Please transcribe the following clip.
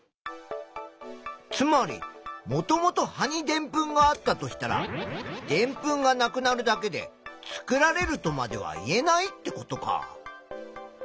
つまりもともと葉にでんぷんがあったとしたらでんぷんがなくなるだけで作られるとまでは言えないってことか。